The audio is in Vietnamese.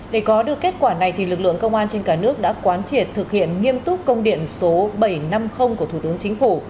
để có được kết quả này lực lượng công an trên cả nước đã quán triệt thực hiện nghiêm túc công điện số bảy trăm năm mươi của thủ tướng chính phủ